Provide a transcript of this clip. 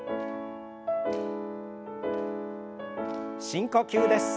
深呼吸です。